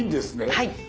はい。